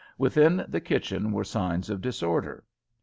Within the kitchen were signs of disorder.